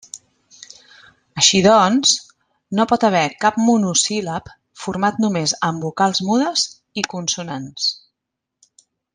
Així doncs, no pot haver cap monosíl·lab format només amb vocals mudes i consonants.